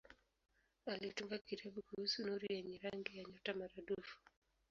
Alitunga kitabu kuhusu nuru yenye rangi ya nyota maradufu.